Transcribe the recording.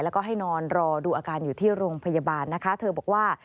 แล้วก็ให้นอนรอดูอาการอยู่ที่โรงพยาบาลนะคะเธอบอกว่า